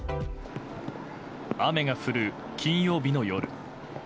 雨が降る金曜日の夜。